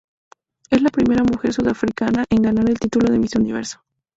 Es la primera mujer sudafricana en ganar el título de Miss Universo.